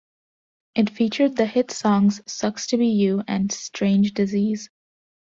It featured the hit songs "Sucks to Be You" and "Strange Disease".